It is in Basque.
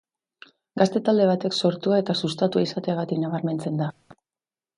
Gazte talde batek sortua eta sustatua izateagatik nabarmentzen da.